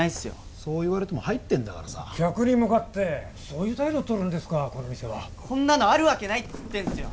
そう言われても入ってんだからさ客に向かってそういう態度取るんですかこの店はこんなのあるわけないっつってんすよ！